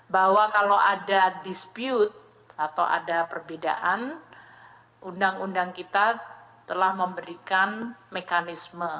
bahwa kalau ada dispute atau ada perbedaan undang undang kita telah memberikan mekanisme